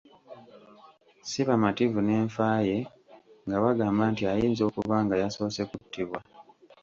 Ssi bamativu n’enfa ye nga bagamba nti ayinza okuba nga yasoose kuttibwa.